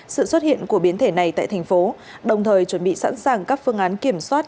sự xuất hiện của biến thể này tại thành phố đồng thời chuẩn bị sẵn sàng các phương án kiểm soát